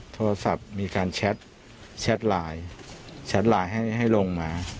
โทรศัพท์มีการแชทไลน์แชทไลน์ให้ลงมา